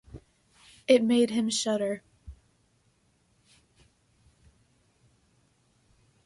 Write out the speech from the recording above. It made him shudder.